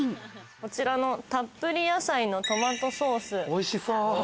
こちらの、たっぷり野菜のトマトソース。